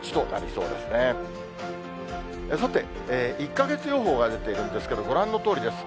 さて、１か月予報が出ているんですけど、ご覧のとおりです。